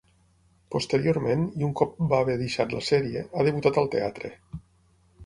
Posteriorment, i un cop va haver deixat la sèrie, ha debutat al teatre.